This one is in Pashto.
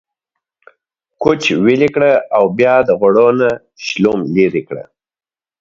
کوچ ويلي کړه او بيا د غوړو نه شلوم ليرې کړه۔